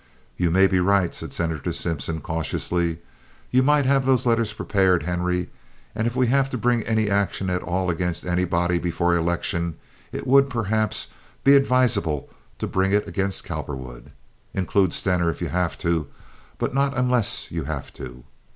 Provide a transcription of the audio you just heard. "You may be right," said Senator Simpson, cautiously. "You might have those letters prepared, Henry; and if we have to bring any action at all against anybody before election, it would, perhaps, be advisable to bring it against Cowperwood. Include Stener if you have to but not unless you have to.